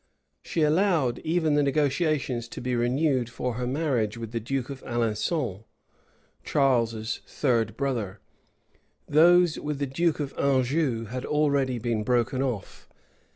She allowed even the negotiations to be renewed for her marriage with the duke of Alençon, Charles's third brother:[] those with the duke of Anjou had already been broken off.